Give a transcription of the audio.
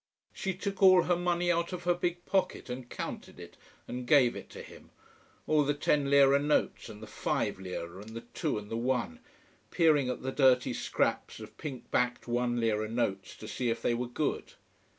She took all her money out of her big pocket, and counted it and gave it to him: all the ten Lira notes, and the five Lira and the two and the one, peering at the dirty scraps of pink backed one lira notes to see if they were good.